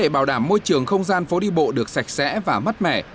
bảo đảm môi trường không gian phố đi bộ được sạch sẽ và mắt mẻ